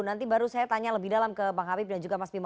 nanti baru saya tanya lebih dalam ke bang habib dan juga mas bima